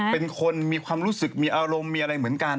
เป็นคนมีความรู้สึกมีอารมณ์มีอะไรเหมือนกัน